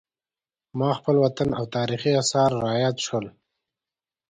ما خپل وطن او تاریخي اثار را یاد شول.